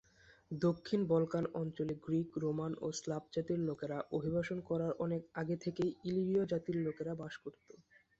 দক্ষিণ বলকান অঞ্চলে Greek, Roman ও স্লাভ জাতির লোকেরা অভিবাসন করার অনেক আগে থেকেই ইলিরীয় জাতির লোকেরা বাস করত।